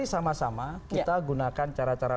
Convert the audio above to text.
sama sama kita gunakan cara cara